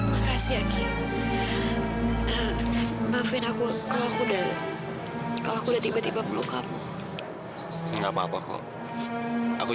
makasih ya ki maafin aku kalau aku udah kalau aku udah tiba tiba melukap nggak apa apa kok aku